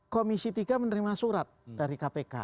komisi tiga menerima surat dari kpk